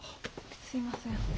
すいません。